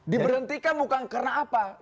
diberhentikan bukan karena apa